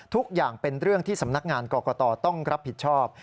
ทุกอย่างเป็นเรื่องที่สำนักงานกรกตต้องรับผิดชอบ